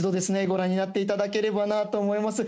ご覧になっていただければなと思います。